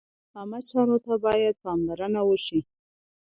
عامه چارو ته باید پاملرنه وشي.